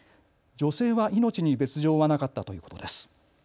女性は命に別状はなかったということです。